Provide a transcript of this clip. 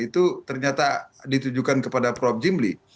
kalau kecurigaan demikian itu ternyata ditujukan kepada prof jimli